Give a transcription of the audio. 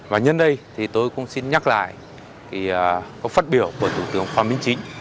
và nhân đây thì tôi cũng xin nhắc lại cái phát biểu của thủ tướng khoa minh chính